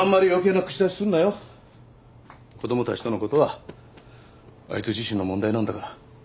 子供たちとのことはあいつ自身の問題なんだから。